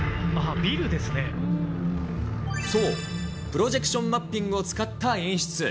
そう、プロジェクションマッピングを使った演出。